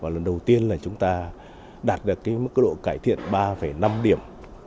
lần đầu tiên là chúng ta đạt được mức độ cải thiện ba năm điểm